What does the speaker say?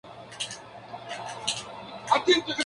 Estudió medicina en la Universidad de Chile.